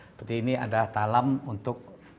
seperti ini ada talam untuk